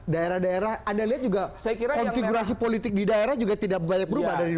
daerah daerah anda lihat juga konfigurasi politik di daerah juga tidak banyak berubah dari dua ribu empat belas